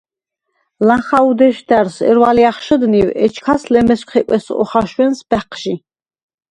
ლახა უდეშდა̈რს ერვალე ახშჷდნივ, ეჩქას ლემესგ ხეკვეს ოხაშვენს ბაჴჟი.